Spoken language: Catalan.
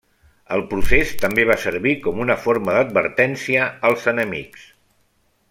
El procés també va servir com una forma d'advertència als enemics.